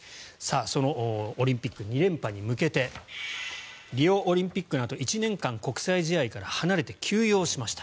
そのオリンピック２連覇に向けてリオオリンピックのあと１年間国際試合から離れて休養しました。